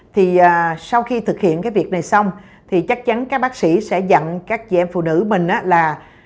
thì sau khi thực hiện cái việc này xong thì chắc chắn các bác sĩ sẽ dặn các chị em phụ nữ mình là